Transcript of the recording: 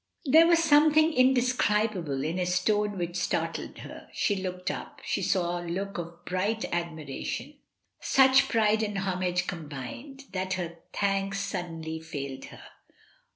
There was something indescribable in his tone which startled her; she looked up, she saw a look of such bright admiration, such pride and homage combined, that her thanks suddenly failed her.